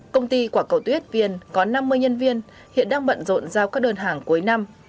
công ty quả cầu tuyết viên có năm mươi nhân viên hiện đang bận rộn giao các đơn hàng cuối năm